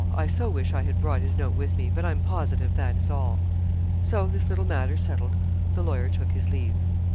I so wish I had brought his note with me; but I'm positive that is all.' So, this little matter settled, the lawyer took his leave. CHAPTER XLIII.